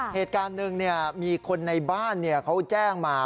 เหตุการณ์หนึ่งมีคนในบ้านเขาแจ้งมา